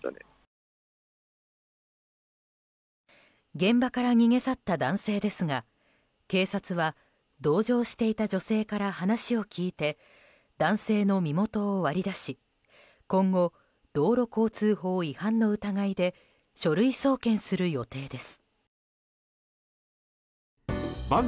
現場から逃げ去った男性ですが警察は同乗していた女性から話を聞いて男性の身元を割り出し今後、道路交通法違反の疑いで書類送検する予定です。